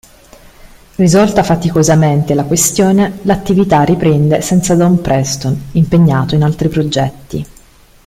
Risolta faticosamente la questione, l'attività riprende senza Don Preston, impegnato in altri progetti.